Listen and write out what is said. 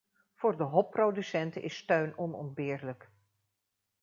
Voor de hopproducenten is steun onontbeerlijk.